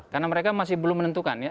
karena mereka masih belum menentukan ya